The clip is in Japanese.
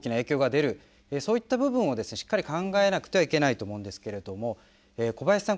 そういった部分をですねしっかり考えなくてはいけないと思うんですけれども小林さん